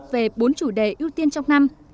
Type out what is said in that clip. về bốn chủ đề ưu tiên trong năm